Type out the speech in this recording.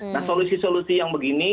nah solusi solusi yang begini